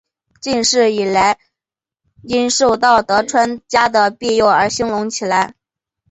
近世以来因受到德川家的庇佑而兴隆起来。